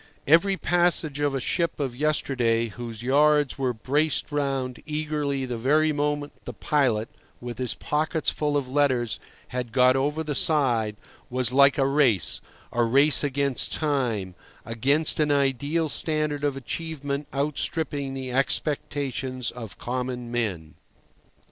Every passage of a ship of yesterday, whose yards were braced round eagerly the very moment the pilot, with his pockets full of letters, had got over the side, was like a race—a race against time, against an ideal standard of achievement outstripping the expectations of common men.